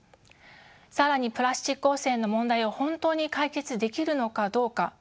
更にプラスチック汚染の問題を本当に解決できるのかどうか。